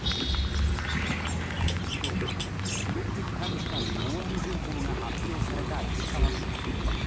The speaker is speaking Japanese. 今日、記録的短時間大雨情報が発表された石川県。